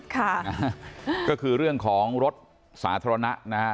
ค่ะนะฮะก็คือเรื่องของรถสาธารณะนะฮะ